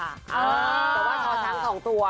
แต่ว่าชอชั้นของตัว